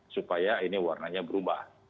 supaya ini warnanya berubah